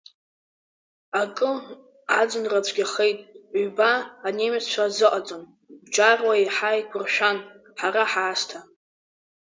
Акы, аӡынра цәгьахеит, ҩба, анемеццәа азыҟаҵан, бџьарла еиҳа еиқәыршәан, ҳара ҳаасҭа.